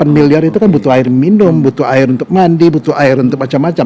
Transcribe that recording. delapan miliar itu kan butuh air minum butuh air untuk mandi butuh air untuk macam macam